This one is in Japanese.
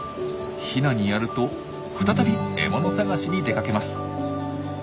ヒナにやると再び獲物探しに出かけます。